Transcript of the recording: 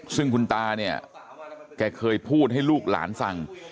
ซึ่งคุณตาเนี่ยแกเคยพูดให้ลูกหลานฟัง